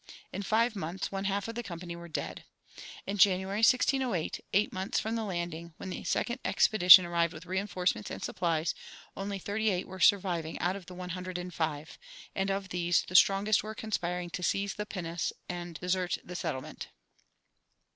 In five months one half of the company were dead. In January, 1608, eight months from the landing, when the second expedition arrived with reinforcements and supplies, only thirty eight were surviving out of the one hundred and five, and of these the strongest were conspiring to seize the pinnace and desert the settlement.